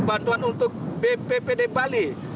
bantuan untuk bppd bali